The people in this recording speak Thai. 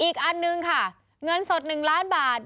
อีกอันนึงค่ะเงินสด๑ล้านบาท